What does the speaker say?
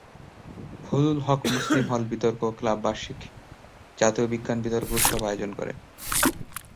Fazlul Huq Muslim Hall বিতর্ক club বার্ষিক "জাতীয় বিজ্ঞান বিতর্ক উৎসব" আয়োজন করে।